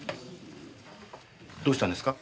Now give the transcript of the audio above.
どうしたんですか？